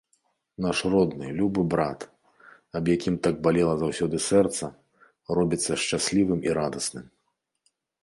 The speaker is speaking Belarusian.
Наш родны, любы брат, аб якім так балела заўсёды сэрца, робіцца шчаслівым і радасным.